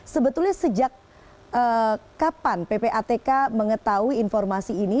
sebetulnya sejak kapan ppatk mengetahui informasi ini